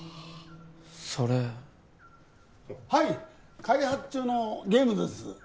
それはい開発中のゲームです